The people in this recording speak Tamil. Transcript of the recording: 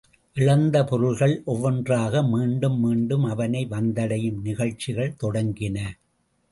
இழந்த பொருள்கள் ஒவ்வொன்றாக மீண்டும் மீண்டும் அவனை வந்தடையும் நிகழ்ச்சிகள் தொடங்கின.